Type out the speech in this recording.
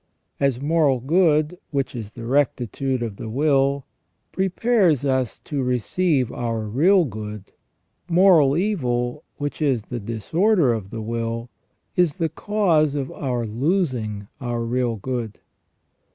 As moral good, which is the rectitude of the will, prepares us to receive our real good, moral evil, which is the disorder of the will, is the cause of our losing our real good.